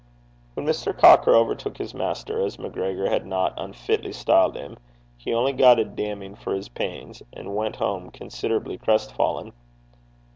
When Mr. Cocker overtook his master, as MacGregor had not unfitly styled him, he only got a damning for his pains, and went home considerably crestfallen.